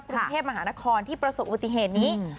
คุณเทพมหานครค่ะที่ประสบอุบัติเหตุนี้อืม